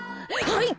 はい。